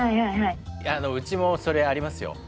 うちもそれありますよ。